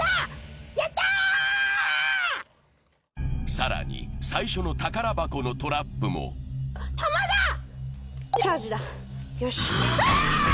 さらに最初の宝箱のトラップもチャージだよしあっ！